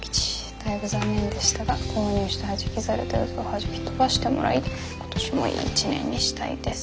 だいぶ残念でしたが購入したはじき猿で禍をはじき飛ばしてもらい今年もいい一年にしたいです」。